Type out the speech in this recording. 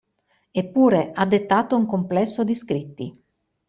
Eppure, ha dettato un complesso di scritti.